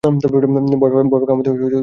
ভয় বা কামনা হইতে ভক্তির উদ্ভব হয় না।